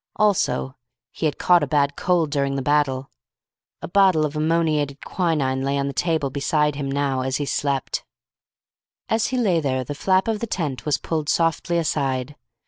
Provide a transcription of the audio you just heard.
Also he had caught a bad cold during the battle. A bottle of ammoniated quinine lay on the table beside him now as he slept. As he lay there the flap of the tent was pulled softly aside.